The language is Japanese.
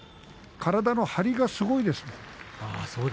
体の張りがすごいです。